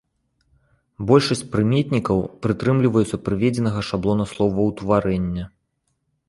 Большасць прыметнікаў прытрымліваюцца прыведзенага шаблона словаўтварэння.